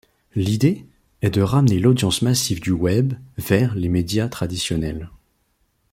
L’idée est de ramener l’audience massive du Web vers les médias traditionnels.